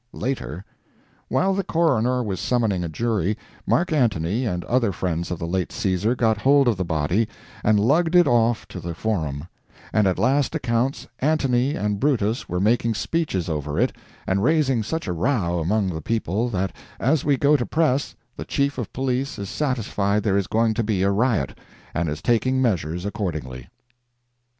LATER: While the coroner was summoning a jury, Mark Antony and other friends of the late Caesar got hold of the body, and lugged it off to the Forum, and at last accounts Antony and Brutus were making speeches over it and raising such a row among the people that, as we go to press, the chief of police is satisfied there is going to be a riot, and is taking measures accordingly.